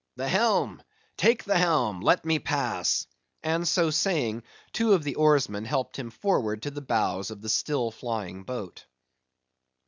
The helm! take the helm! let me pass,"—and so saying two of the oarsmen helped him forward to the bows of the still flying boat.